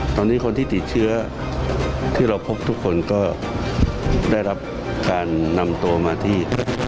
ตอนนี้คนที่ติดเชื้อที่เราพบทุกคนก็ได้รับการนำตัวมาที่